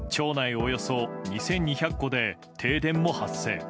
およそ２２００戸で停電も発生。